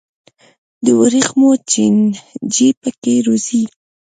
د ورېښمو چینجي پکې روزي.